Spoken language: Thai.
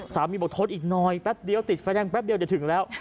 บอกทนอีกหน่อยแป๊บเดียวติดไฟแดงแป๊บเดียวเดี๋ยวถึงแล้ว